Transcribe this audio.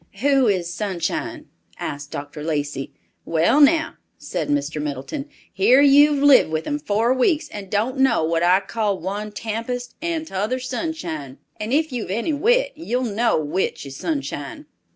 "Who is Sunshine?" asked Dr. Lacey. "Well, now," said Mr. Middleton, "here you've lived with 'em four weeks and don't know that I call one Tempest and t'other Sunshine, and if you've any wit, you'll know which is Sunshine."